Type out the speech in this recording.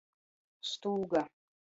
Stūga.